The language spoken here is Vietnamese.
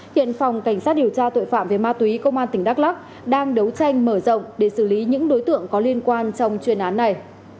hiện phòng cảnh sát điều tra tội phạm về ma túy công an tỉnh đắk lắc đang đấu tranh mở rộng để xử lý những đối tượng có liên quan trong chuyên án này